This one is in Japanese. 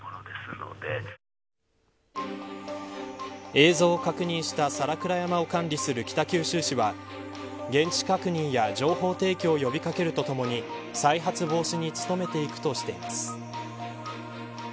映像を確認した皿倉山を管理する北九州市は現地確認や情報提供を呼び掛けるとともに再発防止に努めていくとしています。